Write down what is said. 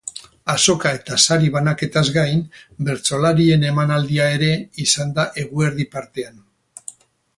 Azoka eta sari banaketaz gain, bertsolarien emanaldia ere izan da eguerdi partean.